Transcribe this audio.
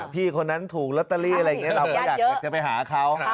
พี่คนนั้นถูกล็อตเตอรี่เราอยากจะไปหาเขา